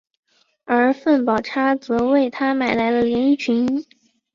而凤宝钗则为他买来了连衣裙。